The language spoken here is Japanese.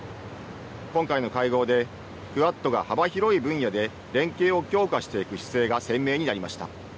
今回の会合でクアッドが幅広い分野で連携を強化していく姿勢が鮮明になりました。